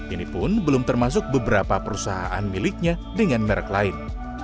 ini pun belum termasuk beberapa perusahaan miliknya dengan merek lain